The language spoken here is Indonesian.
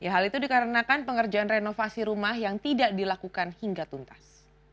hal itu dikarenakan pengerjaan renovasi rumah yang tidak dilakukan hingga tuntas